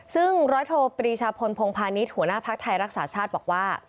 ซึ่งร้อยโทปรีชาพลพงพาณิชย์หัวหน้าภักดิ์ไทยรักษาชาติบอกว่า